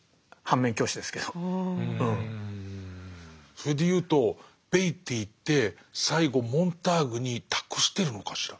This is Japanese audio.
それでいうとベイティーって最後モンターグに託してるのかしら。